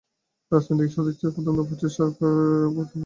রাজনৈতিক সদিচ্ছার প্রথম ধাপ হচ্ছে সরকার ও সরকারি দলের আচরণ।